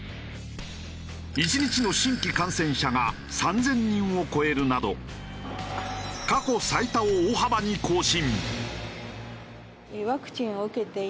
１日の新規感染者が３０００人を超えるなど過去最多を大幅に更新。